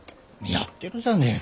やってるじゃねえか。